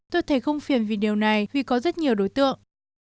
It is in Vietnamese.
tôi thấy không phiền vì điều này huy có rất nhiều đối tượng